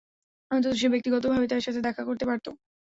অন্তত, সে ব্যক্তিগতভাবে তার সাথে দেখা করতে পারত।